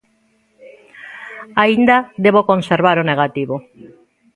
Aínda debo conservar o negativo.